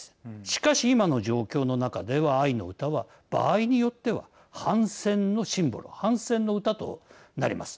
しかし今の状況の中では愛の歌は場合によっては反戦のシンボル反戦の歌となります。